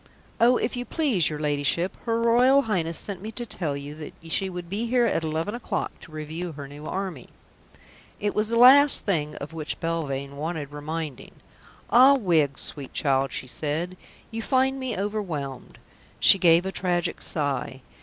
"Oh, if you please, your Ladyship, her Royal Highness sent me to tell you that she would be here at eleven o'clock to review her new army." It was the last thing of which Belvane wanted reminding. "Ah, Wiggs, sweet child," she said, "you find me overwhelmed." She gave a tragic sigh.